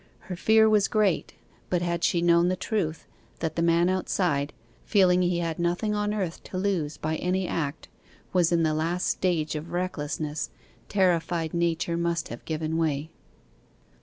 Her fear was great; but had she known the truth that the man outside, feeling he had nothing on earth to lose by any act, was in the last stage of recklessness, terrified nature must have given way.